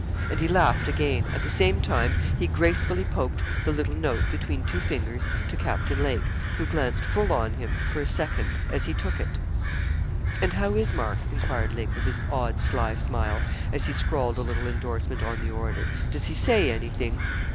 And he laughed again; at the same time he gracefully poked the little note, between two fingers, to Captain Lake, who glanced full on him, for a second, as he took it. 'And how is Mark?' enquired Lake, with his odd, sly smile, as he scrawled a little endorsement on the order. 'Does he say anything?'